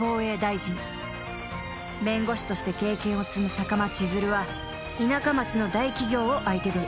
［弁護士として経験を積む坂間千鶴は田舎町の大企業を相手取る］